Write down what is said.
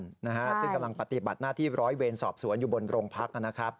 ซึ่งกำลังปฏิบัติหน้าที่ร้อยเวรสอบสวนอยู่บนโรงพักนะครับ